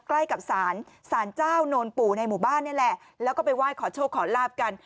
ใกล้กับสารสารเจ้าโนนปู่ในหมู่บ้านนี่แหละแล้วก็ไปไหว้ขอโชคขอลาบกัน